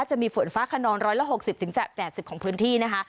จะมีฝนฟ้าขนร้อยละหกสิบถึงแสดกแปดสิบของพื้นที่นะคะ